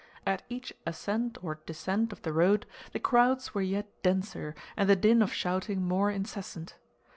At each ascent or descent of the road the crowds were yet denser and the din of shouting more incessant.